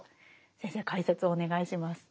先生解説をお願いします。